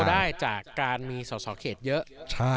ได้จากการมีสอสอเขตเยอะ